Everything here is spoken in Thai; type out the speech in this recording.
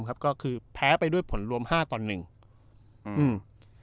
ครับก็คือแพ้ไปด้วยผลรวมห้าตอนหนึ่งอืม